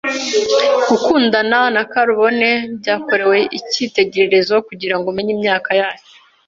Gukundana na karubone byakorewe icyitegererezo kugirango umenye imyaka yacyo.